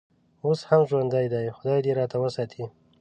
اوس هم ژوندی دی، خدای دې راته وساتي.